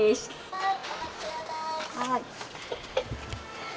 はい。